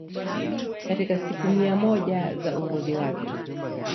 katika siku mia moja za uongozi wake